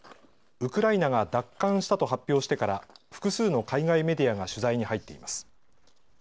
ウクライナが奪還したと発表してから複数の海外メディアが取材に入っています。